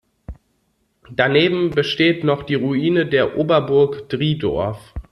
Daneben besteht noch die Ruine der Oberburg Driedorf.